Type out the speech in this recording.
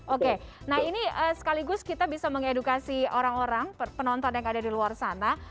oke nah ini sekaligus kita bisa mengedukasi orang orang penonton yang ada di luar sana